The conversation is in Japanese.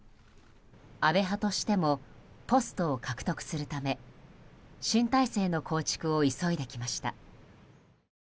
安倍派としてもポストを獲得するため新体制の構築を急いできました。